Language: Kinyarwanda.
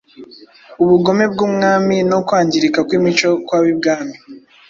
ubugome bw’umwami no kwangirika kw’imico kw’ab’ibwami.